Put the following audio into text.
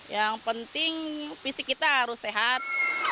yang penting fisik kita harus sehat